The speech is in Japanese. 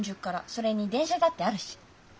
それに電車だってあるし。